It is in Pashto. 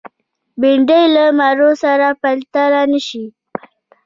بېنډۍ له مڼو سره پرتله نشي